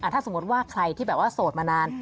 ถ้าสมมติว่าใครที่แบบว่าโสดมานาน